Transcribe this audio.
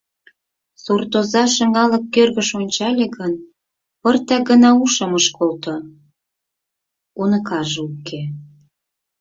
Суртоза шыҥалык кӧргыш ончале гын, пыртак гына ушым ыш колто: уныкаже уке.